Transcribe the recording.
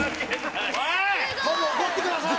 トム怒ってください！